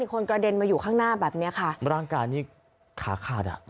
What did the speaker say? คนกระเด็นมาอยู่ข้างหน้าแบบเนี้ยค่ะร่างกายนี่ขาขาดอ่ะ